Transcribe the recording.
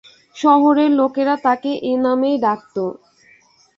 শহরের লোকেরা তাকে এ নামেই ডাকত।